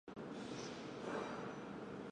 虽然最后这两种计划都未正式服役。